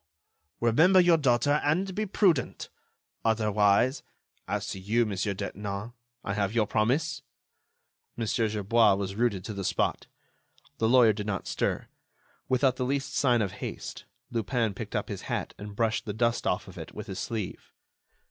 Remember your daughter, and be prudent—otherwise— As to you, Monsieur Detinan, I have your promise." Mon. Gerbois was rooted to the spot. The lawyer did not stir. Without the least sign of haste, Lupin picked up his hat and brushed the dust from off it with his sleeve.